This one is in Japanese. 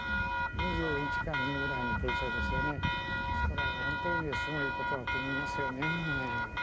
ですから本当にすごいことだと思いますよね。